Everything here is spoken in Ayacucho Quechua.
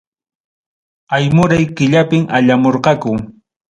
Aymuray killapim allamurqaku.